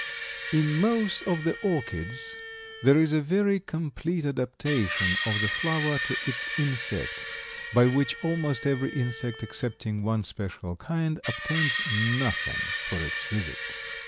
In most of the orchids there is a very complete adaptation of the flower to its insect, by which almost every insect excepting one special kind obtains nothing for its visit.